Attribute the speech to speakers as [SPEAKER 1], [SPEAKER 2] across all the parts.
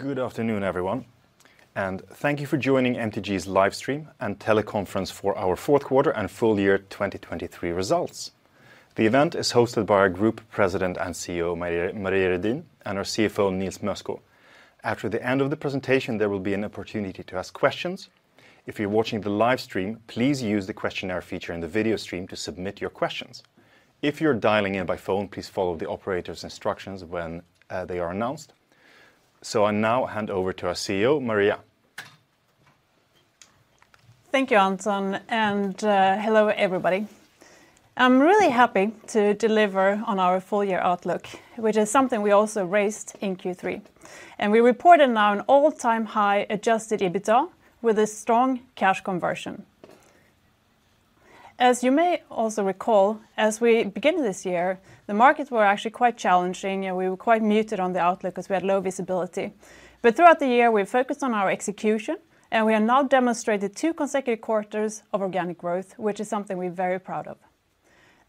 [SPEAKER 1] Good afternoon, everyone, and thank you for joining MTG's Live Stream and Teleconference for our Fourth Quarter and Full Year 2023 results. The event is hosted by our Group President and CEO, Maria Redin, and our CFO, Nils Mösko. After the end of the presentation, there will be an opportunity to ask questions. If you're watching the live stream, please use the questionnaire feature in the video stream to submit your questions. If you're dialing in by phone, please follow the operator's instructions when they are announced. I now hand over to our CEO, Maria.
[SPEAKER 2] Thank you, Anton, and hello, everybody. I'm really happy to deliver on our full-year outlook, which is something we also raised in Q3, and we reported now an all-time high Adjusted EBITDA with a strong Cash Conversion. As you may also recall, as we begin this year, the markets were actually quite challenging, and we were quite muted on the outlook because we had low visibility. But throughout the year, we've focused on our execution, and we have now demonstrated two consecutive quarters of Organic Growth, which is something we're very proud of.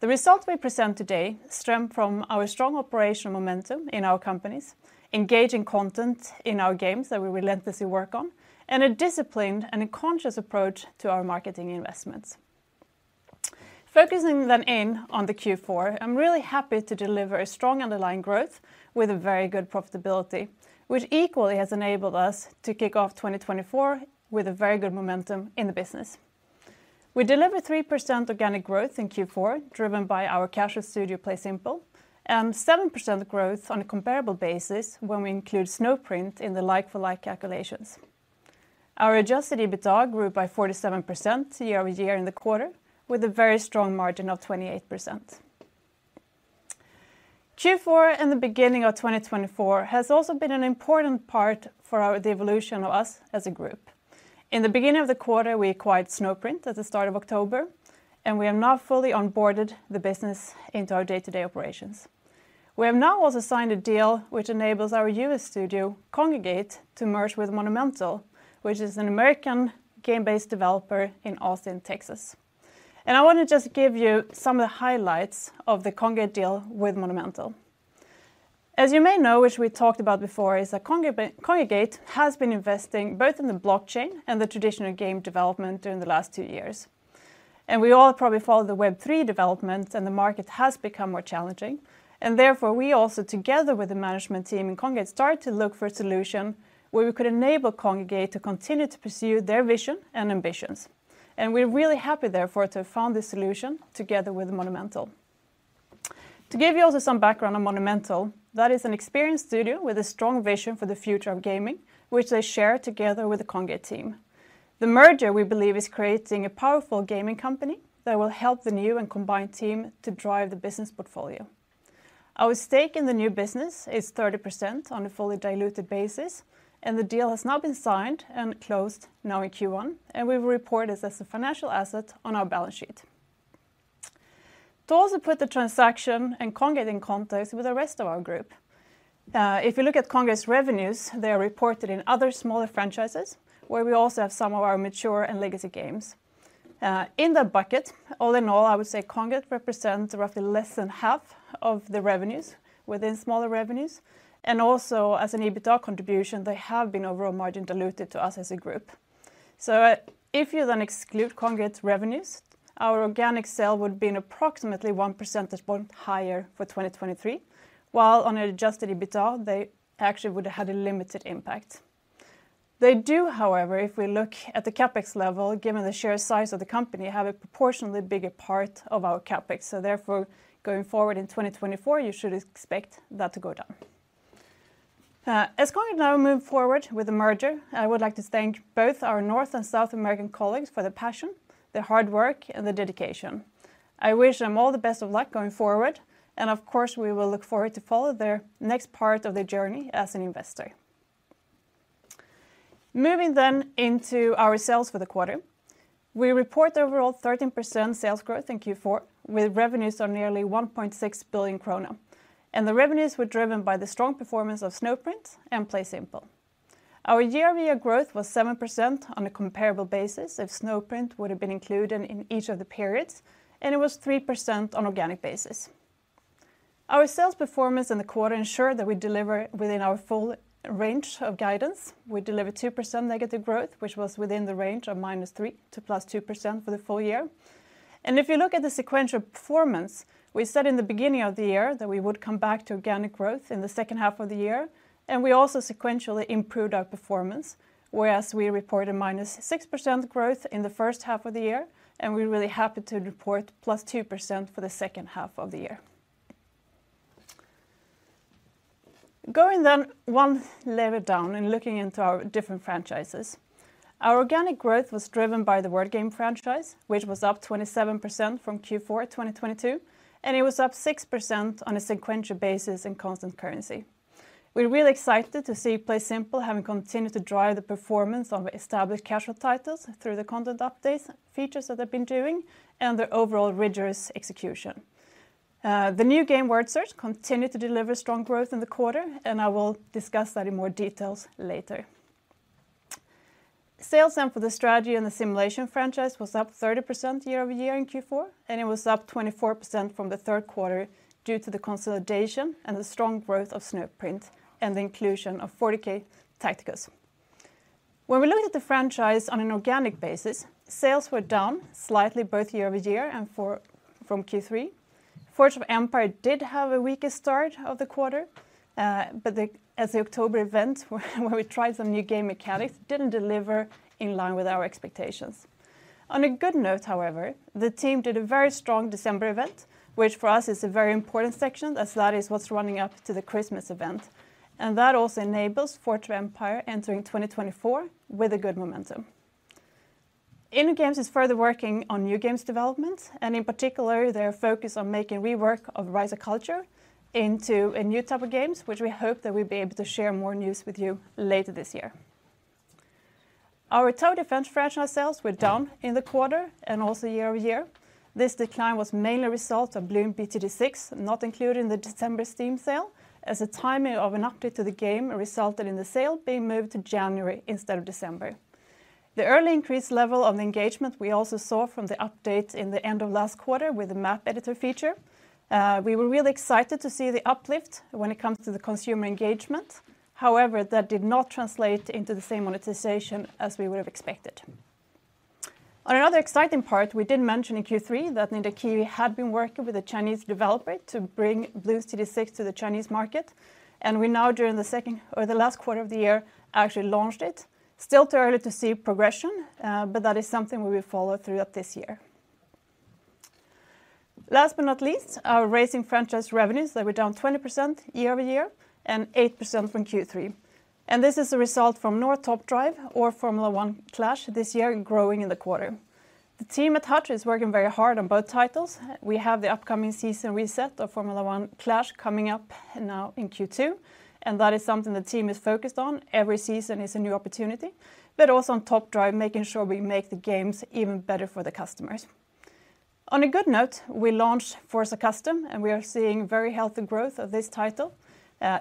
[SPEAKER 2] The results we present today stem from our strong operational momentum in our companies, engaging content in our games that we relentlessly work on, and a disciplined and a conscious approach to our marketing investments. Focusing then in on the Q4, I'm really happy to deliver a strong underlying growth with a very good profitability, which equally has enabled us to kick off 2024 with a very good momentum in the business. We delivered 3% organic growth in Q4, driven by our casual studio, PlaySimple, and 7% growth on a comparable basis when we include Snowprint in the like-for-like calculations. Our Adjusted EBITDA grew by 47% year-over-year in the quarter, with a very strong margin of 28%. Q4 and the beginning of 2024 has also been an important part for the evolution of us as a group. In the beginning of the quarter, we acquired Snowprint at the start of October, and we have now fully onboarded the business into our day-to-day operations. We have now also signed a deal which enables our U.S. studio, Kongregate, to merge with Monumental, which is an American game-based developer in Austin, Texas. I want to just give you some of the highlights of the Kongregate deal with Monumental. As you may know, which we talked about before, is that Kongregate, Kongregate has been investing both in the blockchain and the traditional game development during the last two years. We all probably follow the Web3 developments, and the market has become more challenging. Therefore, we also, together with the management team in Kongregate, started to look for a solution where we could enable Kongregate to continue to pursue their vision and ambitions. We're really happy, therefore, to have found this solution together with Monumental. To give you also some background on Monumental, that is an experienced studio with a strong vision for the future of gaming, which they share together with the Kongregate team. The merger, we believe, is creating a powerful gaming company that will help the new and combined team to drive the business portfolio. Our stake in the new business is 30% on a fully diluted basis, and the deal has now been signed and closed now in Q1, and we will report this as a financial asset on our balance sheet. To also put the transaction and Kongregate in context with the rest of our group, if you look at Kongregate's revenues, they are reported in other smaller franchises, where we also have some of our mature and legacy games. In that bucket, all in all, I would say Kongregate represents roughly less than half of the revenues within smaller revenues, and also, as an EBITDA contribution, they have been overall margin diluted to us as a group. So if you then exclude Kongregate's revenues, our organic sale would have been approximately 1% point higher for 2023, while on an adjusted EBITDA, they actually would have had a limited impact. They do, however, if we look at the CapEx level, given the sheer size of the company, have a proportionally bigger part of our CapEx. So therefore, going forward in 2024, you should expect that to go down. As Kongregate now move forward with the merger, I would like to thank both our North and South American colleagues for their passion, their hard work, and their dedication. I wish them all the best of luck going forward, and of course, we will look forward to follow their next part of their journey as an investor. Moving then into our sales for the quarter, we report overall 13% sales growth in Q4, with revenues of nearly 1.6 billion krona, and the revenues were driven by the strong performance of Snowprint and PlaySimple. Our year-over-year growth was 7% on a comparable basis if Snowprint would have been included in each of the periods, and it was 3% on organic basis. Our sales performance in the quarter ensured that we deliver within our full range of guidance. We delivered 2% negative growth, which was within the range of -3% to +2% for the full year. If you look at the sequential performance, we said in the beginning of the year that we would come back to organic growth in the second half of the year, and we also sequentially improved our performance, whereas we reported -6% growth in the first half of the year, and we're really happy to report +2% for the second half of the year. Going then one level down and looking into our different franchises, our organic growth was driven by the word game franchise, which was up 27% from Q4 2022, and it was up 6% on a sequential basis in constant currency. We're really excited to see PlaySimple having continued to drive the performance of established casual titles through the content updates, features that they've been doing, and their overall rigorous execution. The new game, Word Search, continued to deliver strong growth in the quarter, and I will discuss that in more details later. Sales then for the strategy and the simulation franchise was up 30% year-over-year in Q4, and it was up 24% from the third quarter due to the consolidation and the strong growth of Snowprint and the inclusion of 40K Tacticus. When we're looking at the franchise on an organic basis, sales were down slightly, both year-over-year and from Q3. Forge of Empires did have a weaker start of the quarter, but as the October event, where we tried some new game mechanics, didn't deliver in line with our expectations. On a good note, however, the team did a very strong December event, which for us is a very important section, as that is what's running up to the Christmas event. That also enables Forge of Empires entering 2024 with a good momentum. InnoGames is further working on new games developments, and in particular, they're focused on making rework of Rise of Cultures into a new type of games, which we hope that we'll be able to share more news with you later this year. Our tower defense franchise sales were down in the quarter and also year-over-year. This decline was mainly a result of Bloons TD 6 not included in the December Steam sale, as a timing of an update to the game resulted in the sale being moved to January instead of December. The early increased level of engagement we also saw from the update in the end of last quarter with the map editor feature. We were really excited to see the uplift when it comes to the consumer engagement. However, that did not translate into the same monetization as we would have expected. On another exciting part, we did mention in Q3 that Ninja Kiwi had been working with a Chinese developer to bring Bloons TD 6 to the Chinese market, and we now, during the second or the last quarter of the year, actually launched it. Still too early to see progression, but that is something we will follow throughout this year. Last but not least, our racing franchise revenues, they were down 20% year-over-year and 8% from Q3. This is a result from Hutch's Top Drives or F1 Clash this year, growing in the quarter. The team at Hutch is working very hard on both titles. We have the upcoming season reset of F1 Clash coming up now in Q2, and that is something the team is focused on. Every season is a new opportunity, but also on Top Drives, making sure we make the games even better for the customers. On a good note, we launched Forza Customs, and we are seeing very healthy growth of this title,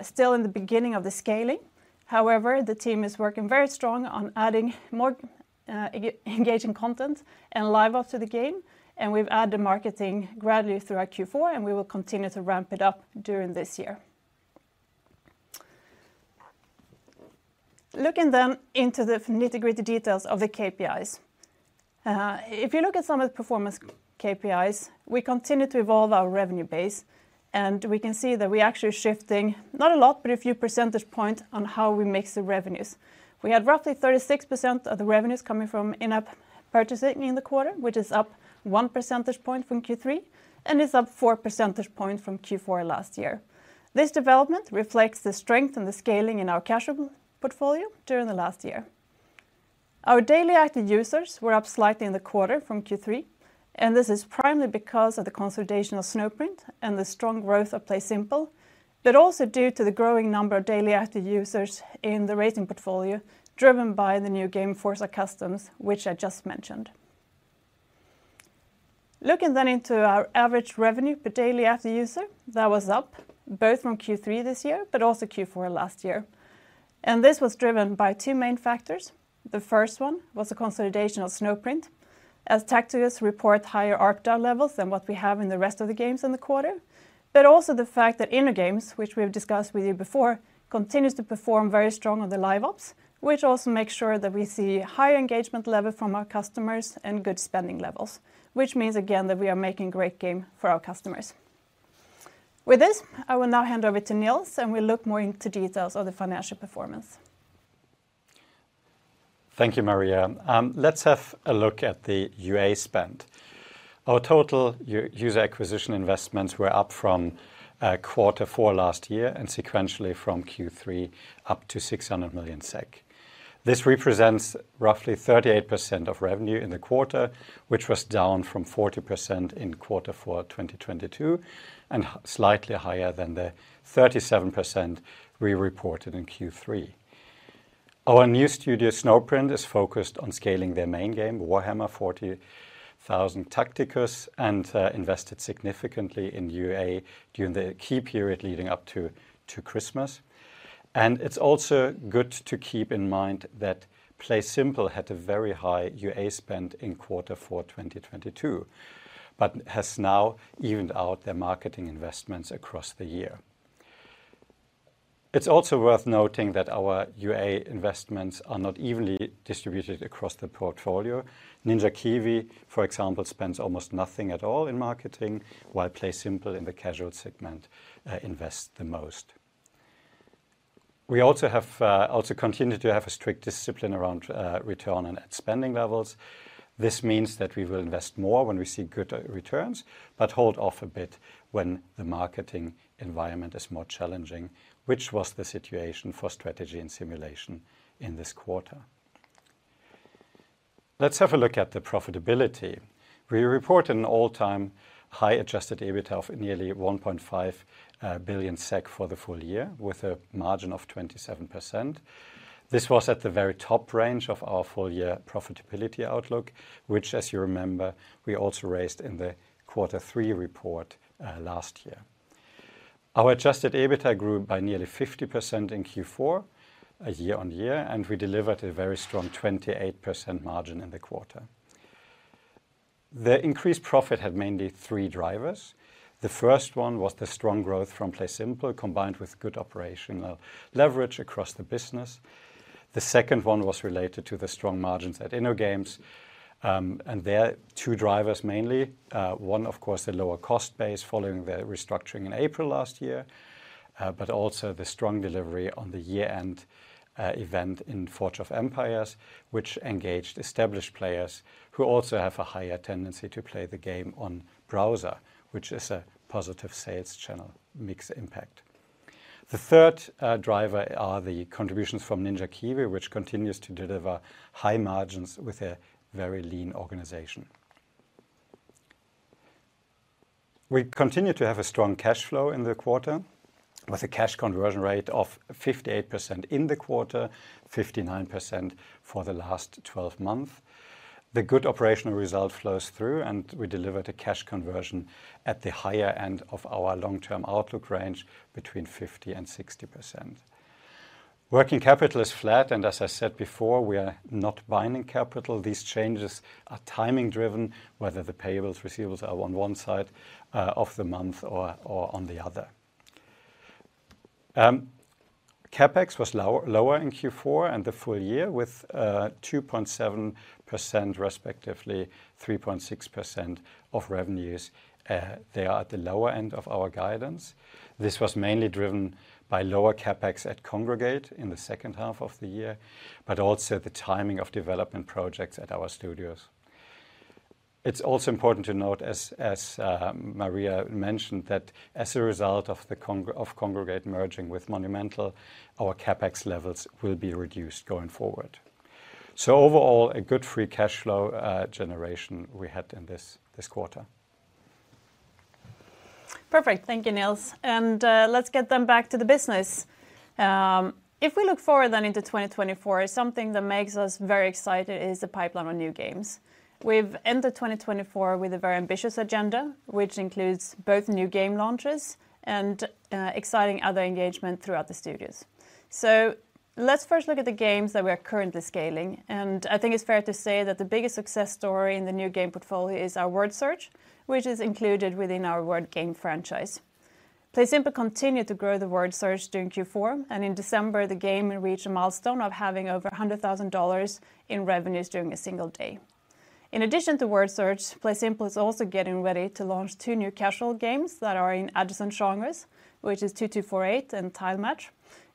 [SPEAKER 2] still in the beginning of the scaling. However, the team is working very strong on adding more engaging content and Live Ops to the game, and we've added the marketing gradually throughout Q4, and we will continue to ramp it up during this year. Looking then into the nitty-gritty details of the KPIs. If you look at some of the performance KPIs, we continue to evolve our revenue base, and we can see that we're actually shifting not a lot, but a few percentage points on how we mix the revenues. We had roughly 36% of the revenues coming from in-app purchasing in the quarter, which is up one percentage point from Q3, and is up four percentage points from Q4 last year. This development reflects the strength and the scaling in our casual portfolio during the last year. Our daily active users were up slightly in the quarter from Q3, and this is primarily because of the consolidation of Snowprint and the strong growth of PlaySimple, but also due to the growing number of daily active users in the racing portfolio, driven by the new game Forza Customs, which I just mentioned. Looking then into our average revenue per daily active user, that was up both from Q3 this year, but also Q4 last year. This was driven by two main factors. The first one was a consolidation of Snowprint, as Tacticus reports higher ARPDAU levels than what we have in the rest of the games in the quarter, but also the fact that InnoGames, which we have discussed with you before, continues to perform very strong on the Live Ops, which also makes sure that we see higher engagement level from our customers and good spending levels, which means, again, that we are making great game for our customers. With this, I will now hand over to Nils, and we'll look more into details of the financial performance.
[SPEAKER 3] Thank you, Maria. Let's have a look at the UA spend. Our total user acquisition investments were up from quarter four last year and sequentially from Q3 up to 600 million SEK. This represents roughly 38% of revenue in the quarter, which was down from 40% in quarter four 2022, and slightly higher than the 37% we reported in Q3. Our new studio, Snowprint, is focused on scaling their main game, Warhammer 40,000: Tacticus, and invested significantly in UA during the key period leading up to Christmas. It's also good to keep in mind that PlaySimple had a very high UA spend in quarter four 2022, but has now evened out their marketing investments across the year. It's also worth noting that our UA investments are not evenly distributed across the portfolio. Ninja Kiwi, for example, spends almost nothing at all in marketing, while PlaySimple in the casual segment invest the most. We also have also continued to have a strict discipline around return on ad spending levels. This means that we will invest more when we see good returns, but hold off a bit when the marketing environment is more challenging, which was the situation for strategy and simulation in this quarter. Let's have a look at the profitability. We report an all-time high adjusted EBIT of nearly 1.5 billion SEK for the full year, with a margin of 27%. This was at the very top range of our full year profitability outlook, which, as you remember, we also raised in the quarter three report last year. Our adjusted EBITDA grew by nearly 50% in Q4, year-on-year, and we delivered a very strong 28% margin in the quarter. The increased profit had mainly three drivers. The first one was the strong growth from PlaySimple, combined with good operational leverage across the business. The second one was related to the strong margins at InnoGames, and there are two drivers mainly. One, of course, the lower cost base following their restructuring in April last year, but also the strong delivery on the year-end event in Forge of Empires, which engaged established players who also have a higher tendency to play the game on browser, which is a positive sales channel mix impact. The third driver are the contributions from Ninja Kiwi, which continues to deliver high margins with a very lean organization. We continue to have a strong cash flow in the quarter, with a cash conversion rate of 58% in the quarter, 59% for the last twelve months. The good operational result flows through, and we delivered a cash conversion at the higher end of our long-term outlook range, between 50% and 60%. Working capital is flat, and as I said before, we are not binding capital. These changes are timing driven, whether the payables, receivables are on one side of the month or on the other. CapEx was lower in Q4 and the full year, with 2.7%, respectively 3.6% of revenues. They are at the lower end of our guidance. This was mainly driven by lower CapEx at Kongregate in the second half of the year, but also the timing of development projects at our studios. It's also important to note, as Maria mentioned, that as a result of the merging of Kongregate with Monumental, our CapEx levels will be reduced going forward. So overall, a good free cash flow generation we had in this quarter.
[SPEAKER 2] Perfect. Thank you, Nils. And let's get then back to the business. If we look forward then into 2024, something that makes us very excited is the pipeline of new games. We've entered 2024 with a very ambitious agenda, which includes both new game launches and exciting other engagement throughout the studios. So let's first look at the games that we are currently scaling, and I think it's fair to say that the biggest success story in the new game portfolio is our Word Search, which is included within our word game franchise. PlaySimple continued to grow the Word Search during Q4, and in December, the game reached a milestone of having over $100,000 in revenues during a single day. In addition to Word Search, PlaySimple is also getting ready to launch two new casual games that are in adjacent genres, which is 2248 and Tile Match.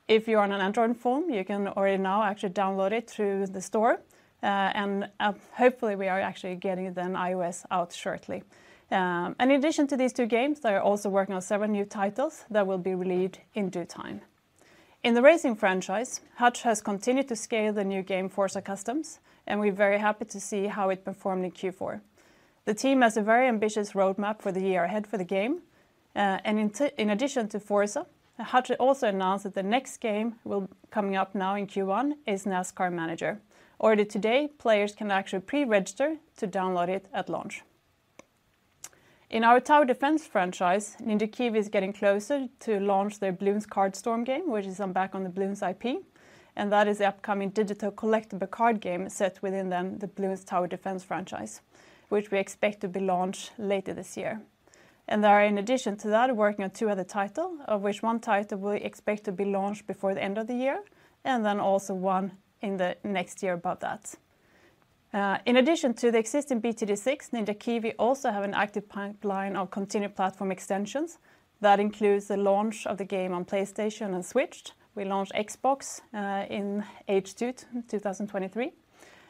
[SPEAKER 2] If you're on an Android phone, you can already now actually download it through the store, and hopefully, we are actually getting the iOS out shortly. And in addition to these two games, they are also working on several new titles that will be released in due time. In the racing franchise, Hutch has continued to scale the new game, Forza Customs, and we're very happy to see how it performed in Q4. The team has a very ambitious roadmap for the year ahead for the game. And in addition to Forza, Hutch also announced that the next game will coming up now in Q1, is NASCAR Manager. Already today, players can actually pre-register to download it at launch. In our Tower Defense franchise, Ninja Kiwi is getting closer to launch their Bloons Card Storm game, which is based on the Bloons IP, and that is the upcoming digital collectible card game set within the, the Bloons Tower Defense franchise, which we expect to be launched later this year. And they are, in addition to that, working on two other title, of which one title we expect to be launched before the end of the year, and then also one in the next year above that. In addition to the existing BTD 6, Ninja Kiwi also have an active pipeline of continued platform extensions. That includes the launch of the game on PlayStation and Switch. We launched Xbox in H2 2023,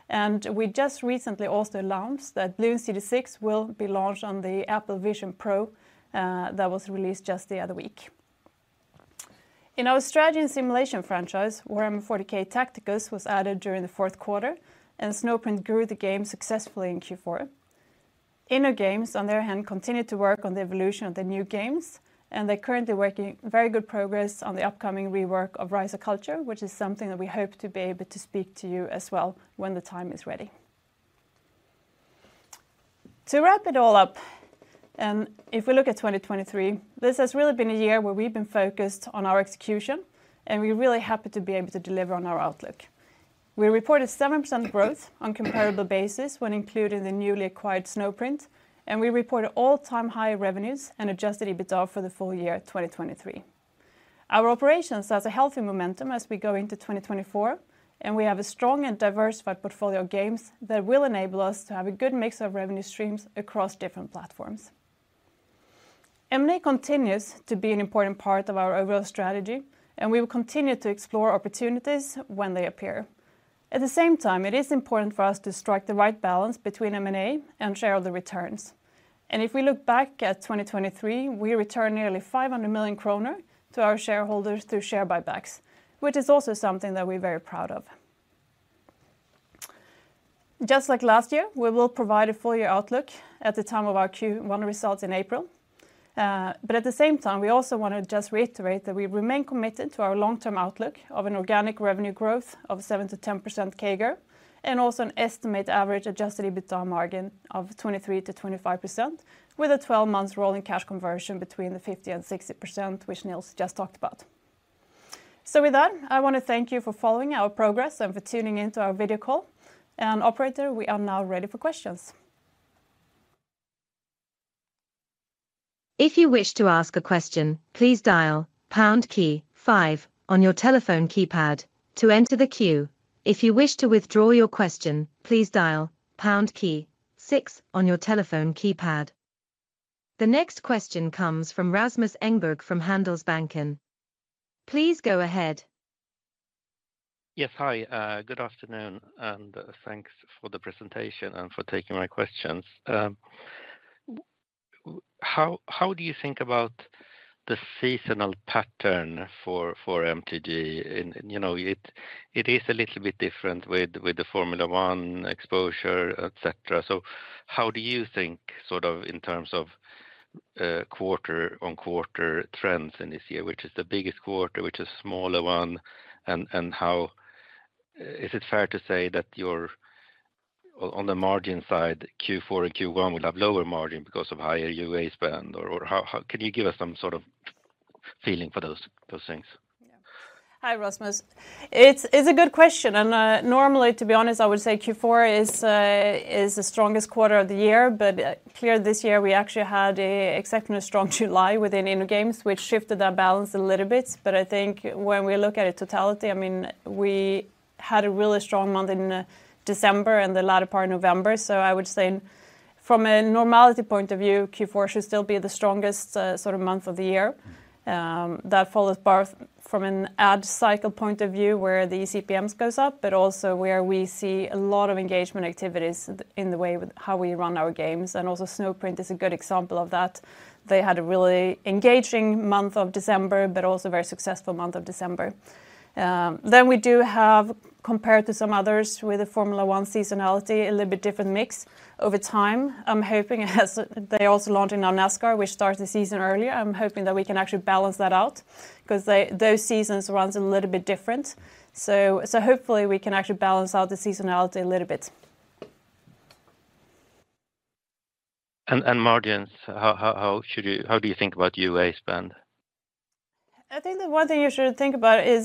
[SPEAKER 2] and we just recently also announced that Bloons TD 6 will be launched on the Apple Vision Pro that was released just the other week. In our strategy and simulation franchise, Warhammer 40K: Tacticus was added during the fourth quarter, and Snowprint grew the game successfully in Q4. InnoGames, on the other hand, continued to work on the evolution of the new games, and they're currently working very good progress on the upcoming rework of Rise of Cultures, which is something that we hope to be able to speak to you as well, when the time is ready. To wrap it all up, if we look at 2023, this has really been a year where we've been focused on our execution, and we're really happy to be able to deliver on our outlook. We reported 7% growth on comparable basis when including the newly acquired Snowprint, and we reported all-time high revenues and adjusted EBITDA for the full year 2023. Our operations has a healthy momentum as we go into 2024, and we have a strong and diversified portfolio of games that will enable us to have a good mix of revenue streams across different platforms. M&A continues to be an important part of our overall strategy, and we will continue to explore opportunities when they appear. At the same time, it is important for us to strike the right balance between M&A and shareholder returns. If we look back at 2023, we returned nearly 500 million kronor to our shareholders through share buybacks, which is also something that we're very proud of. Just like last year, we will provide a full year outlook at the time of our Q1 results in April. But at the same time, we also want to just reiterate that we remain committed to our long-term outlook of an organic revenue growth of 7%-10% CAGR, and also an estimated average adjusted EBITDA margin of 23%-25%, with a twelve-month rolling cash conversion between the 50% and 60%, which Nils just talked about. So with that, I want to thank you for following our progress and for tuning in to our video call. And operator, we are now ready for questions.
[SPEAKER 4] If you wish to ask a question, please dial pound key five on your telephone keypad to enter the queue. If you wish to withdraw your question, please dial pound key six on your telephone keypad. The next question comes from Rasmus Engberg from Handelsbanken. Please go ahead.
[SPEAKER 5] Yes. Hi, good afternoon, and thanks for the presentation and for taking my questions. How, how do you think about the seasonal pattern for MTG? And, you know, it is a little bit different with the Formula One exposure, et cetera. So how do you think, sort of, in terms of quarter-on-quarter trends in this year? Which is the biggest quarter, which is smaller one, and how— Is it fair to say that you're on the margin side, Q4 and Q1 will have lower margin because of higher UA spend? Or, how— Can you give us some sort of feeling for those things?
[SPEAKER 2] Yeah. Hi, Rasmus. It's, it's a good question, and, normally, to be honest, I would say Q4 is, is the strongest quarter of the year, but, here this year, we actually had a exceptionally strong July within InnoGames, which shifted our balance a little bit. But I think when we look at it in totality, I mean, we had a really strong month in, December and the latter part of November. So I would say from a normality point of view, Q4 should still be the strongest, sort of, month of the year. That follows both from an ad cycle point of view, where the eCPMs goes up, but also where we see a lot of engagement activities in the way with how we run our games, and also Snowprint is a good example of that. They had a really engaging month of December, but also a very successful month of December. Then we do have, compared to some others with a Formula One seasonality, a little bit different mix over time. I'm hoping as they also launching on NASCAR, which starts the season earlier, I'm hoping that we can actually balance that out, 'cause they, those seasons runs a little bit different. So, so hopefully we can actually balance out the seasonality a little bit.
[SPEAKER 5] And margins, how do you think about UA spend?
[SPEAKER 2] I think the one thing you should think about is,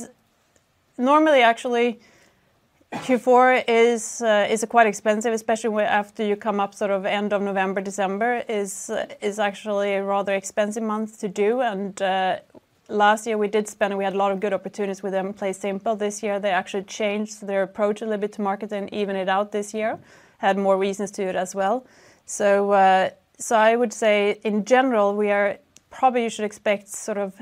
[SPEAKER 2] normally, actually, Q4 is quite expensive, especially when after you come up, sort of, end of November. December is actually a rather expensive month to do, and last year we did spend, and we had a lot of good opportunities with them. Play Simple this year, they actually changed their approach a little bit to market and even it out this year. Had more reasons to it as well. So, so I would say, in general, we are—probably you should expect sort of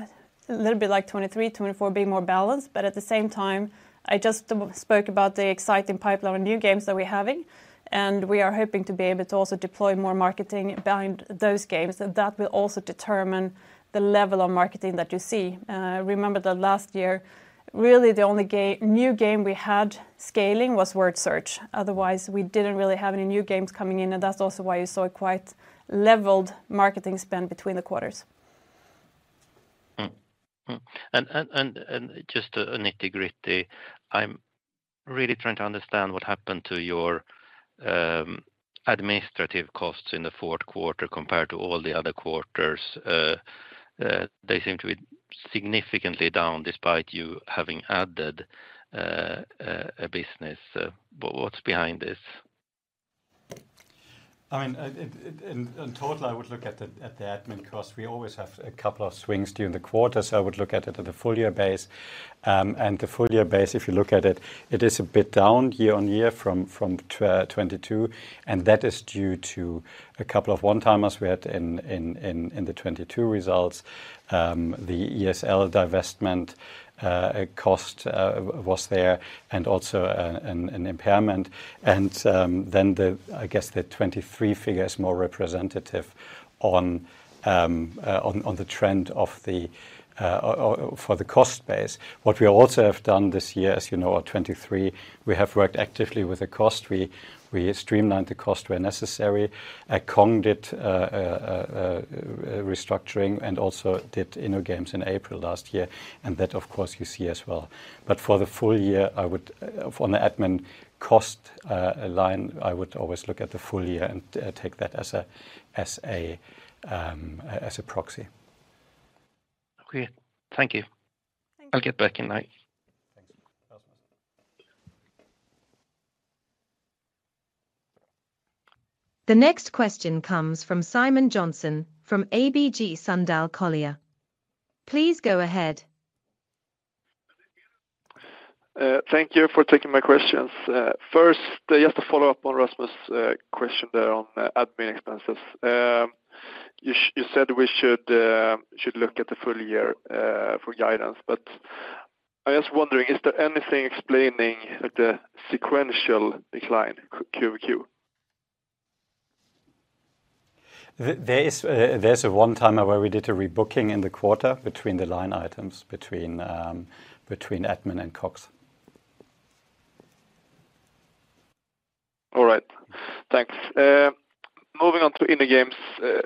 [SPEAKER 2] a little bit like 2023, 2024 being more balanced. But at the same time, I just spoke about the exciting pipeline of new games that we're having, and we are hoping to be able to also deploy more marketing behind those games, and that will also determine the level of marketing that you see. Remember that last year, really the only new game we had scaling was Word Search. Otherwise, we didn't really have any new games coming in, and that's also why you saw a quite leveled marketing spend between the quarters.
[SPEAKER 5] And just a nitty-gritty, I'm really trying to understand what happened to your administrative costs in the fourth quarter compared to all the other quarters. They seem to be significantly down, despite you having added a business. But what's behind this?
[SPEAKER 3] I mean, in total, I would look at the admin cost. We always have a couple of swings during the quarter, so I would look at it at a full-year base. And the full-year base, if you look at it, it is a bit down year-on-year from 2022, and that is due to a couple of one-timers we had in the 2022 results. The ESL divestment cost was there, and also, an impairment. I guess the 2023 figure is more representative on the trend for the cost base. What we also have done this year, as you know, in 2023, we have worked actively with the cost. We streamlined the cost where necessary. Kong did restructuring and also did InnoGames in April last year, and that, of course, you see as well. But for the full year, I would, on the admin cost line, I would always look at the full year and take that as a proxy.
[SPEAKER 5] Okay. Thank you.
[SPEAKER 2] Thank you.
[SPEAKER 5] I'll get back in line.
[SPEAKER 3] Thanks. Rasmus.
[SPEAKER 4] The next question comes from Simon Jonsson from ABG Sundal Collier. Please go ahead.
[SPEAKER 6] Thank you for taking my questions. First, just to follow up on Rasmus' question there on admin expenses. You said we should look at the full year for guidance, but I was wondering, is there anything explaining the sequential decline Q-over-Q?
[SPEAKER 3] There is, there's a one-timer where we did a rebooking in the quarter between the line items between admin and COGS.
[SPEAKER 6] All right. Thanks. Moving on to InnoGames, it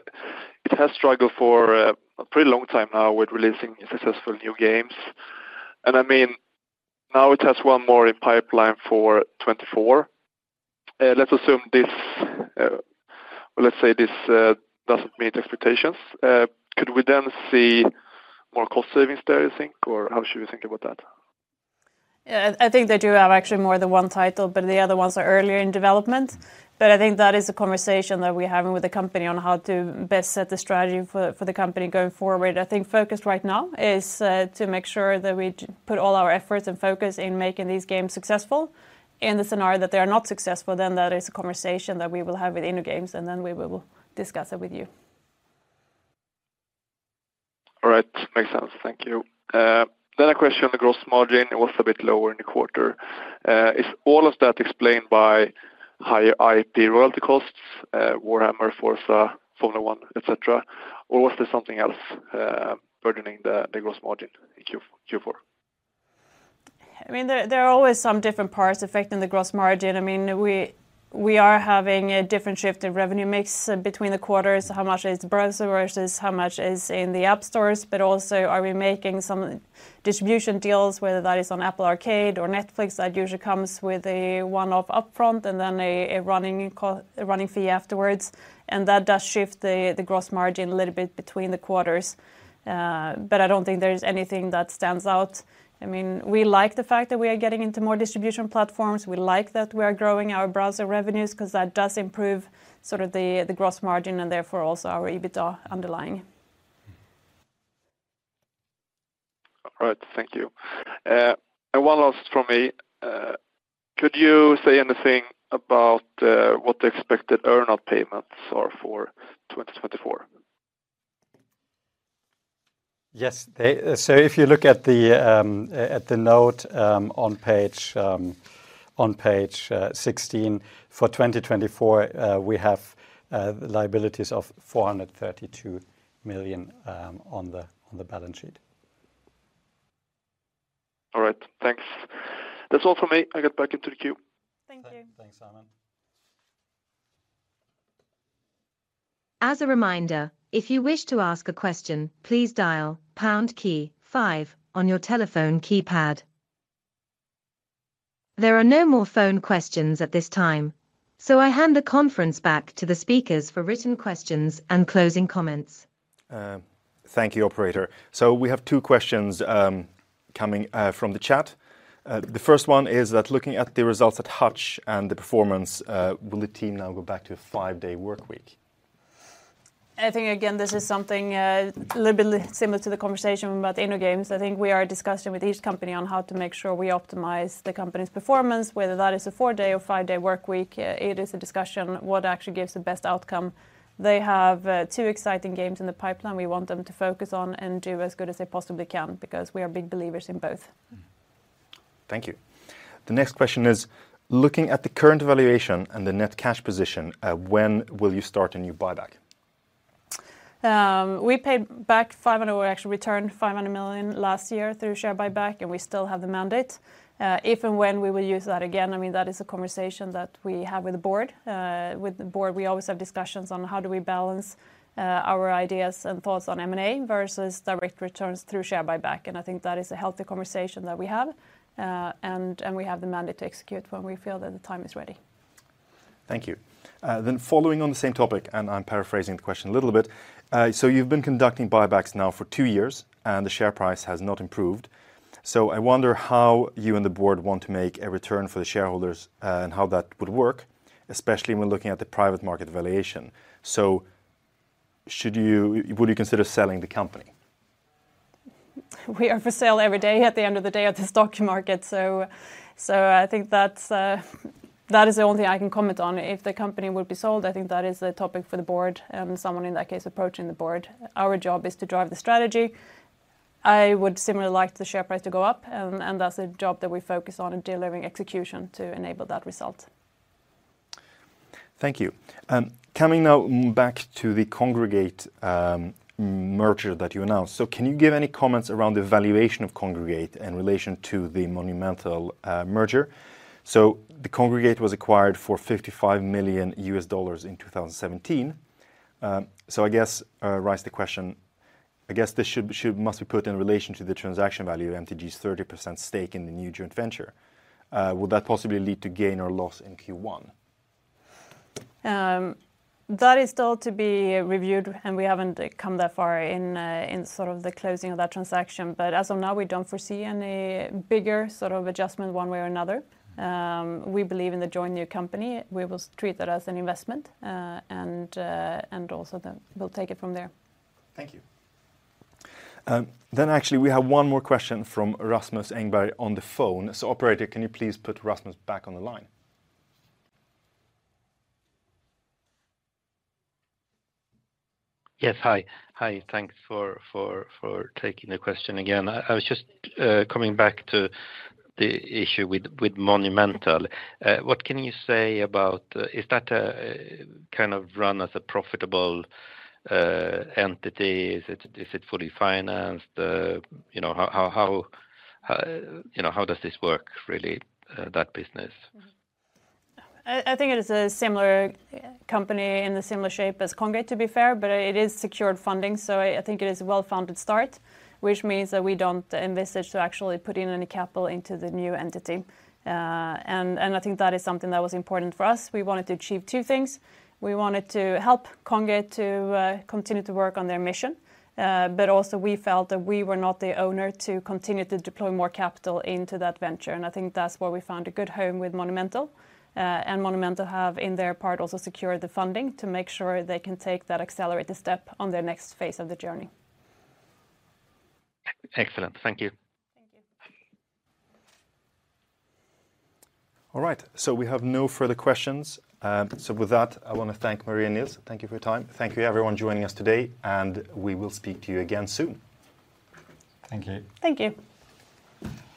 [SPEAKER 6] has struggled for a pretty long time now with releasing successful new games. And, I mean, now it has one more in pipeline for 2024?... Let's assume this—well, let's say this, doesn't meet expectations. Could we then see more cost savings there, you think? Or how should we think about that?
[SPEAKER 2] Yeah, I think they do have actually more than one title, but the other ones are earlier in development. But I think that is a conversation that we're having with the company on how to best set the strategy for the company going forward. I think focus right now is to make sure that we put all our efforts and focus in making these games successful. In the scenario that they are not successful, then that is a conversation that we will have with InnoGames, and then we will discuss it with you.
[SPEAKER 6] All right. Makes sense. Thank you. Then a question on the gross margin. It was a bit lower in the quarter. Is all of that explained by higher IP royalty costs, Warhammer, Forza, Formula One, et cetera, or was there something else burdening the gross margin in Q4?
[SPEAKER 2] I mean, there, there are always some different parts affecting the gross margin. I mean, we, we are having a different shift in revenue mix between the quarters. How much is browser versus how much is in the app stores? But also, are we making some distribution deals, whether that is on Apple Arcade or Netflix, that usually comes with a one-off upfront and then a, a running co- a running fee afterwards, and that does shift the, the gross margin a little bit between the quarters. But I don't think there's anything that stands out. I mean, we like the fact that we are getting into more distribution platforms. We like that we are growing our browser revenues, 'cause that does improve sort of the, the gross margin and therefore also our EBITDA underlying.
[SPEAKER 6] All right. Thank you. And one last from me: Could you say anything about what the expected earn-out payments are for 2024?
[SPEAKER 3] Yes. So if you look at the note on page 16 for 2024, we have liabilities of 432 million on the balance sheet.
[SPEAKER 6] All right, thanks. That's all for me. I get back into the queue.
[SPEAKER 2] Thank you.
[SPEAKER 3] Thanks, Simon.
[SPEAKER 4] As a reminder, if you wish to ask a question, please dial pound five on your telephone keypad. There are no more phone questions at this time, so I hand the conference back to the speakers for written questions and closing comments.
[SPEAKER 1] Thank you, operator. So we have two questions coming from the chat. The first one is that looking at the results at Hutch and the performance, will the team now go back to a five-day workweek?
[SPEAKER 2] I think, again, this is something, a little bit similar to the conversation about InnoGames. I think we are in discussion with each company on how to make sure we optimize the company's performance, whether that is a four-day or five-day workweek, it is a discussion, what actually gives the best outcome. They have, two exciting games in the pipeline we want them to focus on and do as good as they possibly can, because we are big believers in both.
[SPEAKER 1] Thank you. The next question is: Looking at the current valuation and the net cash position, when will you start a new buyback?
[SPEAKER 2] We paid back five hundred-- we actually returned 500 million last year through share buyback, and we still have the mandate. If and when we will use that again, I mean, that is a conversation that we have with the board. With the board, we always have discussions on how do we balance our ideas and thoughts on M&A versus direct returns through share buyback, and I think that is a healthy conversation that we have. And we have the mandate to execute when we feel that the time is ready.
[SPEAKER 1] Thank you. Then following on the same topic, and I'm paraphrasing the question a little bit: So you've been conducting buybacks now for two years, and the share price has not improved. So I wonder how you and the board want to make a return for the shareholders, and how that would work, especially when looking at the private market valuation. So should you, would you consider selling the company?
[SPEAKER 2] We are for sale every day at the end of the day at the stock market. So, so I think that's, that is the only thing I can comment on. If the company would be sold, I think that is a topic for the board and someone in that case approaching the board. Our job is to drive the strategy. I would similarly like the share price to go up, and that's a job that we focus on and delivering execution to enable that result.
[SPEAKER 1] Thank you. Coming now back to the Kongregate merger that you announced. So can you give any comments around the valuation of Kongregate in relation to the Monumental merger? So the Kongregate was acquired for $55 million in 2017. So I guess arise the question, I guess this must be put in relation to the transaction value of MTG's 30% stake in the new joint venture. Will that possibly lead to gain or loss in Q1?
[SPEAKER 2] That is still to be reviewed, and we haven't come that far in, in sort of the closing of that transaction. But as of now, we don't foresee any bigger sort of adjustment one way or another. We believe in the joint new company. We will treat that as an investment, and, and also then we'll take it from there.
[SPEAKER 1] Thank you. Then actually, we have one more question from Rasmus Engberg on the phone. So operator, can you please put Rasmus back on the line?
[SPEAKER 5] Yes. Hi. Hi, thanks for taking the question again. I was just coming back to the issue with Monumental. What can you say about... Is that kind of run as a profitable entity? Is it fully financed? You know, how does this work, really, that business?
[SPEAKER 2] Mm-hmm. I think it is a similar company in a similar shape as Kongregate, to be fair, but it is secured funding, so I think it is a well-founded start, which means that we don't envisage to actually put in any capital into the new entity. And I think that is something that was important for us. We wanted to achieve two things. We wanted to help Kongregate to continue to work on their mission, but also we felt that we were not the owner to continue to deploy more capital into that venture, and I think that's where we found a good home with Monumental. And Monumental have, in their part, also secured the funding to make sure they can take that accelerated step on their next phase of the journey.
[SPEAKER 5] Excellent. Thank you.
[SPEAKER 2] Thank you.
[SPEAKER 1] All right, so we have no further questions. With that, I want to thank Maria and Nils. Thank you for your time. Thank you, everyone joining us today, and we will speak to you again soon.
[SPEAKER 3] Thank you.
[SPEAKER 2] Thank you.